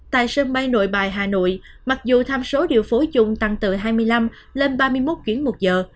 tại sân bay nội bài hà nội mặc dù tham số điều phối dùng tăng từ hai mươi năm lên ba mươi một chuyến một giờ